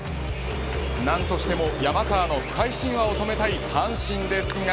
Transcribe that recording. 何としても山川の不敗神話を止めたい阪神ですが。